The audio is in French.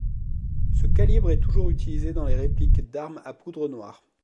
Ce calibre est toujours utilisé dans les répliques d'armes à poudre noire.